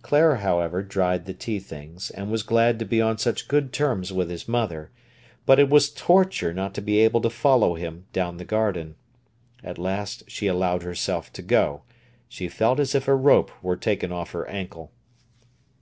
Clara, however, dried the tea things, and was glad to be on such good terms with his mother; but it was torture not to be able to follow him down the garden. At last she allowed herself to go; she felt as if a rope were taken off her ankle.